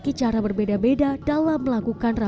menjelaskan keberadaan jakarta